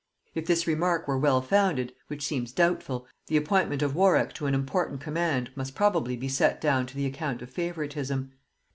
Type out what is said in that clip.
If this remark were well founded, which seems doubtful, the appointment of Warwick to an important command must probably be set down to the account of favoritism.